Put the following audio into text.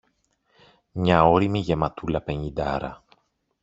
Μια ώριμη γεματούλα πενηντάρα